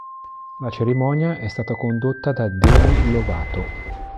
La cerimonia è stata condotta da Demi Lovato.